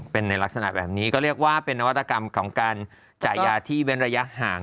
เป็นในลักษณะแบบนี้ก็เรียกว่าเป็นนวัตกรรมของการจ่ายยาที่เว้นระยะห่าง